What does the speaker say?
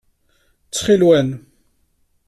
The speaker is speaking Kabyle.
Ttxil-wen.